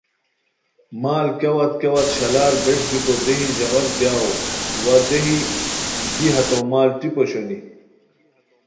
مال کیاوت کیاوت شالار بیݰ بیکو دیہی ژاؤک دوئے وا دیہی دی ہتو مال ٹیپ اوشونی